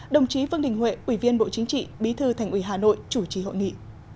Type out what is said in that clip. đồng chí vương đình huệ ủy viên bộ chính trị bí thư thành ủy hà nội chủ trì hội nghị